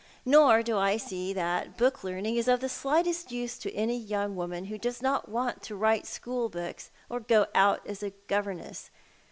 Nor do I see that book learning is of the slightest use to any yonng woman who does not want to write school books or go (mt as a governess.